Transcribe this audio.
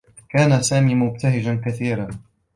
كان سامي مبتهجا كثيرا.